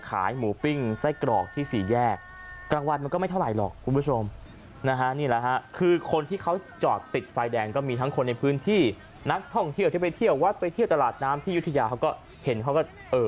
ขายหมูปิ้งไส้กรอกที่สี่แยกกลางวันมันก็ไม่เท่าไหร่หรอกคุณผู้ชมนะฮะนี่แหละฮะคือคนที่เขาจอดติดไฟแดงก็มีทั้งคนในพื้นที่นักท่องเที่ยวที่ไปเที่ยววัดไปเที่ยวตลาดน้ำที่ยุธยาเขาก็เห็นเขาก็เออ